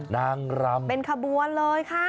นางรำเป็นขบวนเลยค่ะ